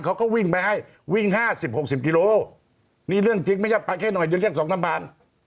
เขาก็วิ่งไปให้วิ่งห้าสิบหกสิบกิโลนี่เรื่องจริงไม่ใช่ไปแค่หน่อยเดี๋ยวเรียกสองสามพัน